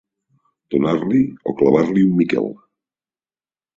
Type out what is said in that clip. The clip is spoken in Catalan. Donar-li o clavar-li un miquel.